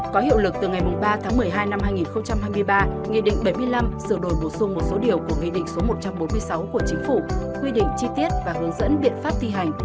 có hiệu lực từ ngày ba tháng một mươi hai năm hai nghìn hai mươi ba nghị định bảy mươi năm sửa đổi bổ sung một số điều của nghị định số một trăm bốn mươi sáu của chính phủ quy định chi tiết và hướng dẫn biện pháp thi hành